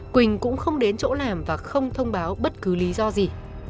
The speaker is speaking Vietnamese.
quỳnh cũng không đến chỗ làm và không thông báo bất cứ lý do gì